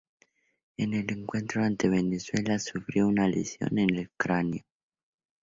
En el encuentro ante Venezuela sufrió una lesión en el cráneo.